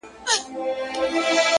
• عشق مي خوی عشق مي مسلک عشق مي عمل دی,